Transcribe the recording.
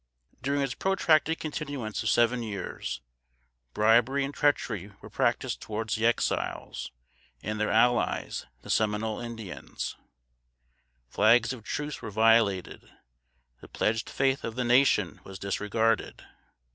During its protracted continuance of seven years, bribery and treachery were practiced towards the Exiles and their allies, the Seminole Indians; flags of truce were violated; the pledged faith of the nation was disregarded.